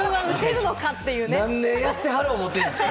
何年やってはる思てんですか？